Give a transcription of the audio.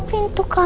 baik ya acum